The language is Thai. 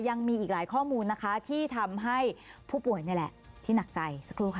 ยังมีอีกหลายข้อมูลนะคะที่ทำให้ผู้ป่วยนี่แหละที่หนักใจสักครู่ค่ะ